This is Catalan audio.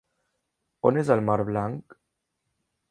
On és el mar Blanc?